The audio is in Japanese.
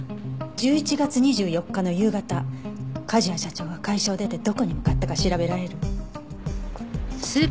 １１月２４日の夕方梶谷社長が会社を出てどこに向かったか調べられる？